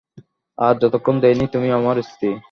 আর যতক্ষণ দেইনি তুমি আমার স্ত্রী।